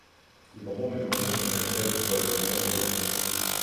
Juba hommikul nägime, et rehvid toimivad erinevalt.